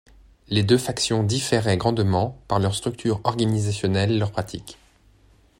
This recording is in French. Les deux factions différaient grandement par leur structure organisationnelle et leurs pratiques.